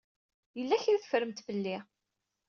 Yella kra ay teffremt fell-i.